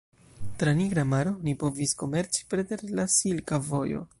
Tra Nigra Maro, oni povis komerci preter la Silka Vojo.